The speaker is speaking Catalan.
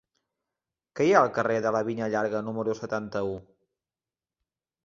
Què hi ha al carrer de la Vinya Llarga número setanta-u?